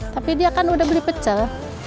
tapi dia kan udah beli pecel